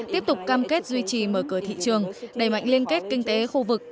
tiếp tục cam kết duy trì mở cửa thị trường đẩy mạnh liên kết kinh tế khu vực